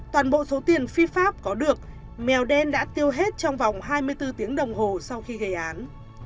toàn bộ số tiền phi pháp có được mèo đen đã tiêu hết trong vòng hai mươi bốn tiếng đồng hồ sau khi gây án